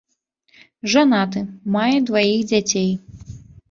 Жанаты, мае дваіх дзяцей.